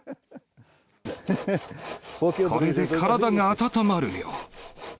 これで体が温まるよ。